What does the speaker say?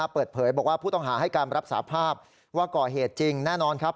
เปิดเผยบอกว่าผู้ต้องหาให้การรับสาภาพว่าก่อเหตุจริงแน่นอนครับ